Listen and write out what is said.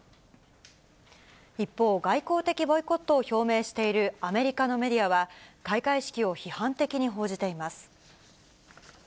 一方、外交的ボイコットを表明しているアメリカのメディアは、開会式を批判的に報じています。